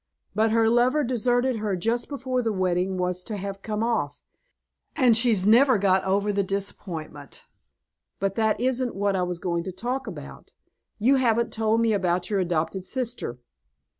But her lover deserted her just before the wedding was to have come off, and she's never got over the disappointment. But that isn't what I was going to talk about. You haven't told me about your adopted sister."